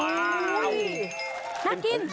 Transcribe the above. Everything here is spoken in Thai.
น่ากิน